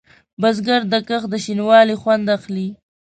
بزګر د کښت د شین والي خوند اخلي